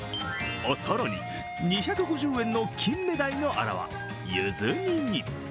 更に、２５０円のきんめだいのあらはゆず煮に。